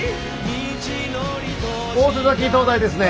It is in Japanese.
大瀬埼灯台ですね。